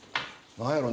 何やろ？